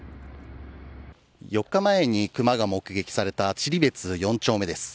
４日前に熊が目撃された知利別町４丁目です。